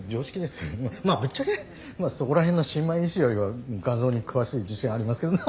まあぶっちゃけそこら辺の新米医師よりは画像に詳しい自信ありますけど。